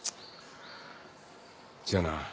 じゃあな。